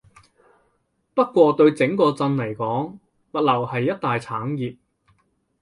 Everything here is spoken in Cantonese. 不過對整個鎮嚟講，物流係一大產業